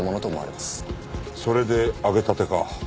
それで揚げたてか。